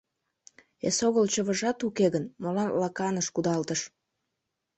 Эсогыл чывыжат уке гын, молан лаканыш кудалташ?